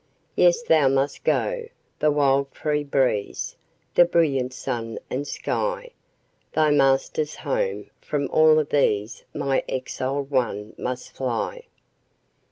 Yes, thou must go! the wild free breeze, the brilliant sun and sky, Thy master's home from all of these my exiled one must fly.